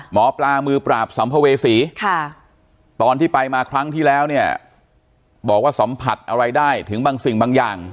หมอปลามือปราบสัมภเวษีตอนที่ไปมาครั้งที่แล้วเนี่ยบอกว่าสัมผัสอะไรได้ถึงบางสิ่งบางอย่าง